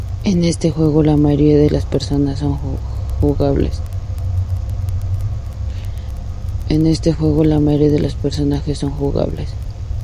En este juego la mayoría de los personajes son jugables.